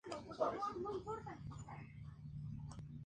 La principal ciudad es Kota Baru.